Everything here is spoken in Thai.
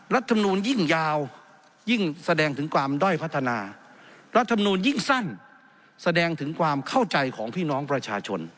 รัฐมนูลยิ่งยาวยิ่งแสดงถึงความด้อยพัฒนารัฐธรรมนูลยิ่งสั้นแสดงถึงความเข้าใจของพี่น้องประชาชน